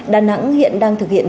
đà nẵng hiện đang thực hiện